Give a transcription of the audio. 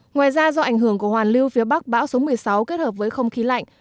ngoài ra do ảnh hưởng của hoàn lưu phía bắc bão số một mươi sáu kết hợp với không khí lạnh